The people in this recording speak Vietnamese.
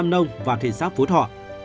huyện lâm nông và thị xác phú thọ